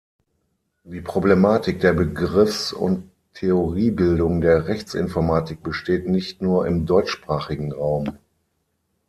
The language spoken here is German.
Die Problematik der Begriffs- und Theoriebildung der Rechtsinformatik besteht nicht nur im deutschsprachigen Raum.